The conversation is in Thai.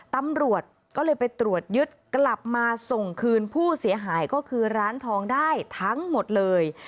ตำรวจก็เลยไปตรวจยึดกลับมาส่งคืนผู้เสียหายก็คือร้านทองได้ทั้งหมดเลย